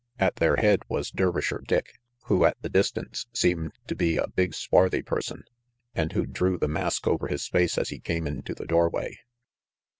At their head was Dervisher Dick, who, at the distance, seemed to be a big swarthy person, and who drew the mask over his face as he came into the doorway.